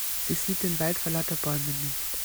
Sie sieht den Wald vor lauter Bäumen nicht.